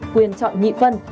quyền chọn nghị phân